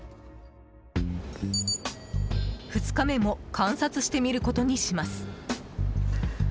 ２日目も観察してみることにします。